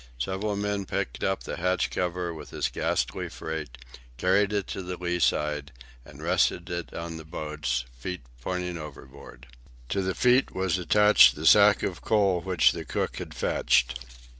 Several men picked up the hatch cover with its ghastly freight, carried it to the lee side, and rested it on the boats, the feet pointing overboard. To the feet was attached the sack of coal which the cook had fetched.